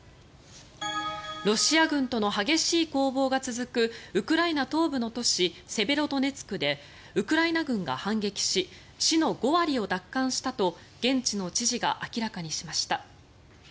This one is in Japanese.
ロシア軍との激しい攻防が続くウクライナ東部の都市セベロドネツクでウクライナ軍が反撃し市の５割を奪還したと現地の知事が明らかにしました。